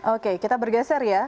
oke kita bergeser ya